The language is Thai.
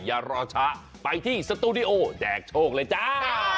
อย่ารอช้าไปที่สตูดิโอแจกโชคเลยจ้า